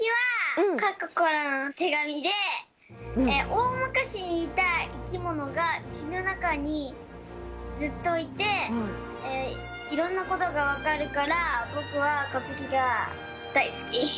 おおむかしにいたいきものがつちのなかにずっといていろんなことがわかるからぼくはかせきがだいすき。